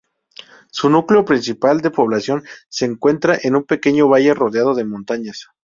Su núcleo principal de población se encuentra en un pequeño valle rodeado de montañas.